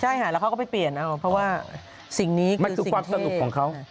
ใช่หาแล้วเขาก็ไปเปลี่ยนเอาเพราะว่าสิ่งนี้คือสิ่งเท่